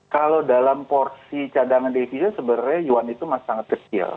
kalau dalam porsi cadangan devisa sebenarnya yuan itu masih sangat kecil